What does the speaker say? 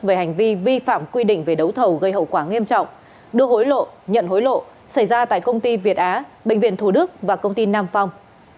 về hành vi vi phạm quy định về đấu thầu gây hậu quả nghiêm trọng đưa hối lộ nhận hối lộ xảy ra tại công ty việt á bệnh viện thủ đức và công ty nam phong